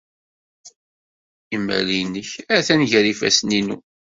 Imal-nnek atan gar yifassen-inu.